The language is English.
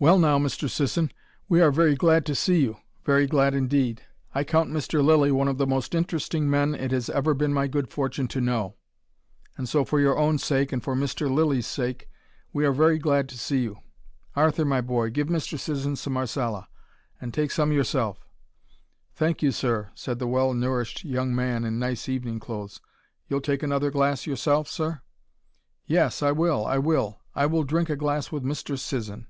"Well now, Mr. Sisson, we are very glad to see you! Very glad, indeed. I count Mr. Lilly one of the most interesting men it has ever been my good fortune to know. And so for your own sake, and for Mr. Lilly's sake, we are very glad to see you. Arthur, my boy, give Mr. Sisson some Marsala and take some yourself." "Thank you, Sir," said the well nourished young man in nice evening clothes. "You'll take another glass yourself, Sir?" "Yes, I will, I will. I will drink a glass with Mr. Sisson.